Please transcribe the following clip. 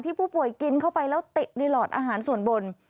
ผู้ป่วยกินเข้าไปแล้วเตะในหลอดอาหารส่วนบน